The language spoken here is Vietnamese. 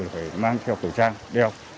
phải mang theo khẩu trang đeo